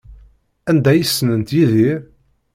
Anda ay ssnent Yidir?